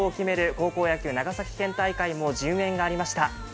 高校野球長崎県大会も順延がありました。